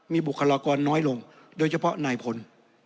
มีบุคลากรน้อยลงโดยเฉพาะนายพล